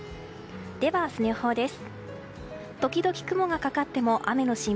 では、明日の予報です。